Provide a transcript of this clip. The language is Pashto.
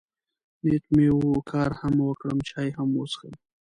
نیت مې و، کار هم وکړم، چای هم وڅښم.